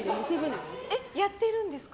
やってるんですか？